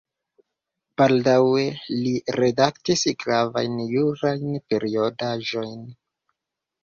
Baldaŭe li redaktis gravajn jurajn periodaĵojn.